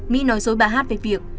mỹ nói dối bà hát về việc